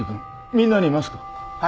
みんなにマスクを。